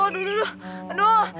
aduh aduh aduh